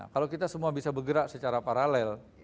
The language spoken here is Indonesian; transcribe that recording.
kalau kita semua bisa bergerak secara paralel